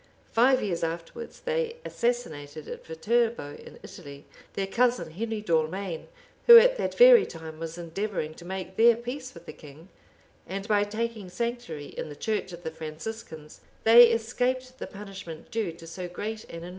Five years afterwards, they assassinated, at Viterbo in Italy, their cousin Henry d'Allmaine, who at that very time was endeavoring to make their peace with the king; and by taking sanctuary in the church of the Franciscans, they escaped the punishment due to so great an enormity.